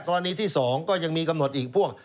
กรณีที่๒ก็ยังมีกำหนดอีกพวก